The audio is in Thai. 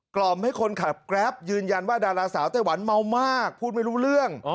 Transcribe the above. ล่อมให้คนขับแกรปยืนยันว่าดาราสาวไต้หวันเมามากพูดไม่รู้เรื่อง